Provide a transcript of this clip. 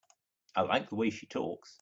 I like the way she talks.